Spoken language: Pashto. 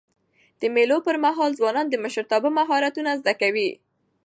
د مېلو پر مهال ځوانان د مشرتابه مهارتونه زده کوي.